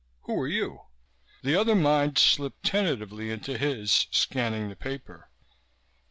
Who are you?_ The other mind slipped tentatively into his, scanning the paper.